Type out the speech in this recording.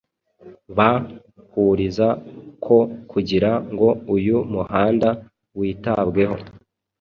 ba- huriza ko kugira ngo uyu muhanda witabweho